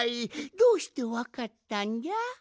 どうしてわかったんじゃ？